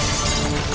ya ini udah berakhir